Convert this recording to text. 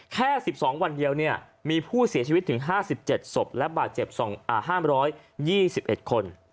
แค่๑๒วันเดียวมีผู้เสียชีวิตถึง๕๗ศพและบาดเจ็บ๕๒๑คน